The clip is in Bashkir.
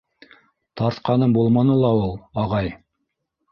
— Тартҡаным булманы ла ул, ағай.